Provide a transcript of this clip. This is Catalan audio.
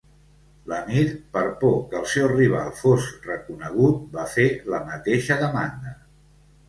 L'emir, per por que el seu rival fos reconegut, va fer la mateixa demanda.